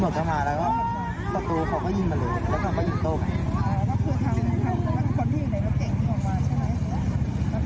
แล้วก็ตำรวจก็ยิงตอนนั้นเราตกใจไหม